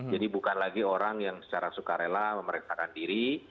jadi bukan lagi orang yang secara sukarela memeriksa diri